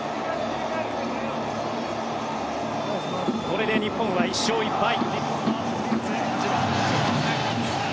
これで日本は１勝１敗。